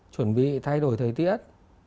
chuẩn bị thay đổi thời tiết